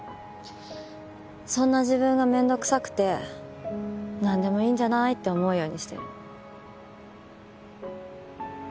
そんな自分が面倒くさくてなんでもいいんじゃないって思うようにしてるの。